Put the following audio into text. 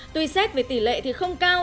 tuy xét về tỷ lệ thì không cao